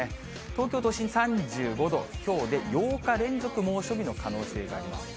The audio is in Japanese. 東京都心３５度、きょうで８日連続猛暑日の可能性があります。